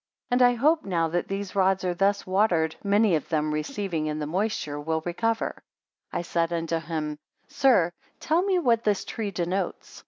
And I hope now that these rods are thus watered, many of them receiving in the moisture, will recover: 22 I said unto him, Sir, tell me what this tree denotes?